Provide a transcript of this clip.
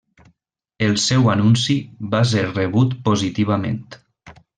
El seu anunci va ser rebut positivament.